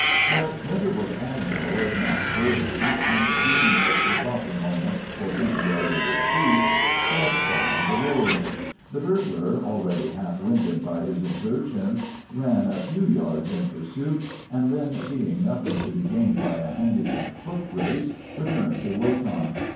But Winter was agile if not burly, and deeming it the proper moment for temporary retreat, sped down the road. The burg lar, already half winded by his exertions, ran a few yards in pursuit, and then, seeing nothing to be gained by a handicap foot race, returned to Wotan.